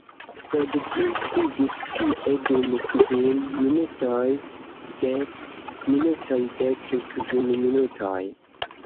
Sed ĝi sidis tie dum kvin minutoj, dek minutoj, dek kvin minutoj!